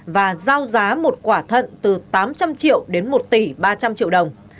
và giao giá một quả thận từ tám trăm linh triệu đến một tỷ ba trăm linh triệu đồng